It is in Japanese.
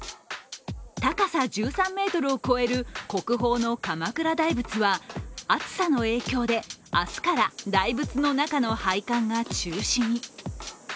高さ１３ｍを超える国宝の鎌倉大仏は、暑さの影響で、明日から大仏の仲の拝観が中止に。